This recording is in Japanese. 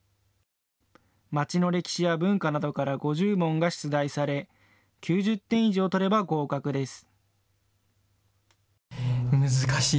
町の歴史や文化などから５０問が出題され９０点以上取れば合格です。